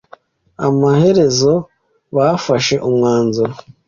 Amaherezo, bafashe umwanzuro.